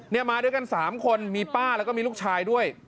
มาด้วยกัน๓คนมีป้าแล้วก็มีลูกชายด้วย